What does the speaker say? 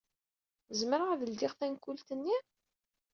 Zemreɣ ad ledyeɣ tankult-nni?